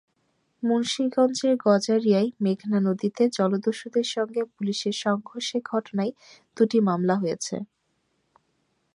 মুন্সিগঞ্জের গজারিয়ায় মেঘনা নদীতে জলদস্যুদের সঙ্গে পুলিশের সংঘর্ষের ঘটনায় দুটি মামলা হয়েছে।